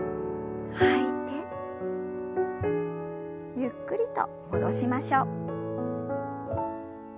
ゆっくりと戻しましょう。